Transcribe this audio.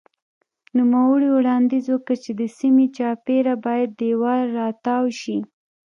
نوموړي وړاندیز وکړ چې د سیمې چاپېره باید دېوال راتاو شي.